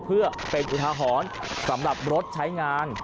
เพื่อเป็นอุทาหรณ์สำหรับรถใช้งาน